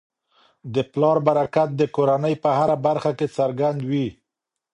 د پلار برکت د کورنی په هره برخه کي څرګند وي.